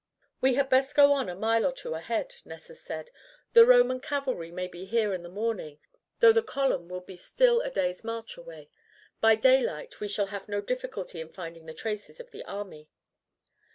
"We had best go on a mile or two ahead," Nessus said, "the Roman cavalry may be here in the morning, though the column will be still a day's march away. By daylight we shall have no difficulty in finding the traces of the army."